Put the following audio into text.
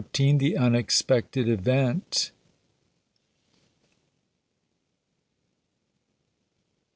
THE UNEXPECTED EVENT.